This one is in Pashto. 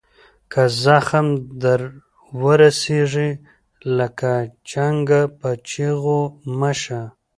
که زخم در ورسیږي لکه چنګ په چیغو مه شه.